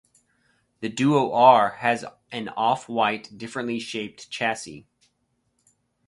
The Duo R has an off-white, differently shaped chassis.